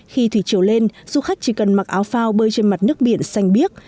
khi thủy chiều lên du khách chỉ cần mặc áo phao bơi trên mặt nước biển xanh biếc